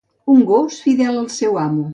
Un gos fidel al seu amo.